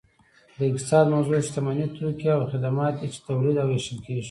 د اقتصاد موضوع شتمني توکي او خدمات دي چې تولید او ویشل کیږي